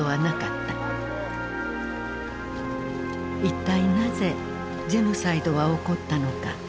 一体なぜジェノサイドは起こったのか。